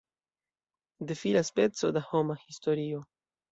Defilas peco da homa historio.